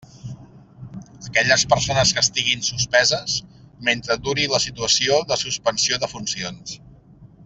Aquelles persones que estiguin suspeses, mentre duri la situació de suspensió de funcions.